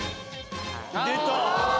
出た！